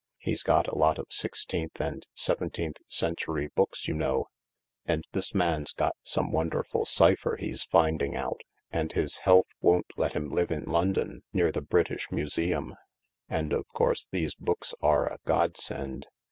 He's got a lot of sixteenth and seventeenth century books, you know ; and this man's got some wonderful cypher he's finding out, and his health won't let him live in London, near the British Museum, and, of course, these books are a godsend.